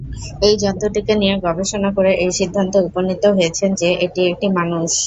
এই জন্তুটিকে নিয়ে গবেষণা করে এই সিদ্ধান্তে উপনীত হয়েছেন যে, এটি একটি মানুষ।